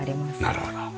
なるほど。